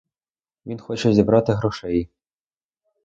Він хоче зібрати грошей.